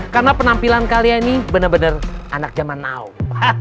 karena penampilan kalian ini bener bener anak zaman now